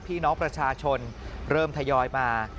พี่น้องประชาชนเริ่มทยอยมา